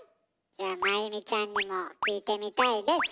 じゃあ麻由美ちゃんにも聞いてみたいです！